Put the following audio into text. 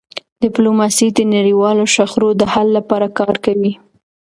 ډيپلوماسي د نړیوالو شخړو د حل لپاره کار کوي.